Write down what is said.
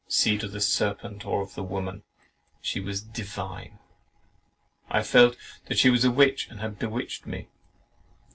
Seed of the serpent or of the woman, she was divine! I felt that she was a witch, and had bewitched me.